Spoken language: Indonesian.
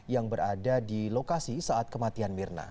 yang berada di lokasi saat kematian mirna